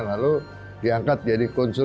lalu diangkat jadi konsul